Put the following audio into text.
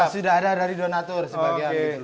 sudah ada dari donatur sebagai